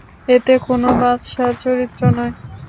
এতে কোন বাদশাহর চরিত্র নয়।